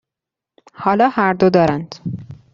حالا هر دو دارند.